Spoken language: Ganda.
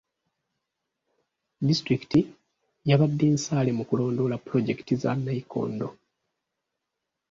Disitulikiti yabadde nsaale mu kulondoola pulojekiti za nnayikondo.